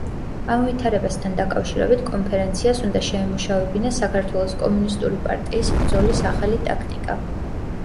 ამ ვითარებასთან დაკავშირებით კონფერენციას უნდა შეემუშავებინა საქართველოს კომუნისტური პარტიის ბრძოლის ახალი ტაქტიკა.